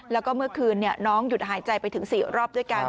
แล้วก็เมื่อคืนน้องหยุดหายใจไปถึง๔รอบด้วยกัน